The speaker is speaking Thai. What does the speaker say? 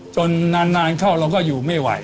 จนนานเข้าเราก็อยู่ไม่ไหว